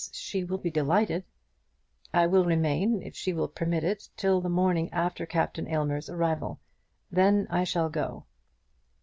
She will be delighted." "I will remain, if she will permit it, till the morning after Captain Aylmer's arrival. Then I shall go."